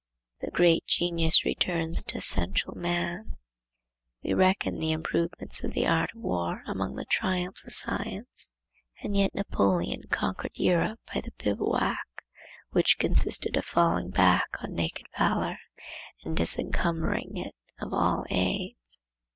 The great genius returns to essential man. We reckoned the improvements of the art of war among the triumphs of science, and yet Napoleon conquered Europe by the bivouac, which consisted of falling back on naked valor and disencumbering it of all aids.